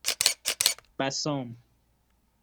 بَسام